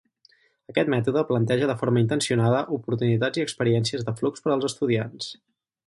Aquest mètode planteja de forma intencionada oportunitats i experiències de flux per als estudiants.